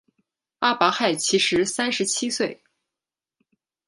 阿巴亥其时三十七岁。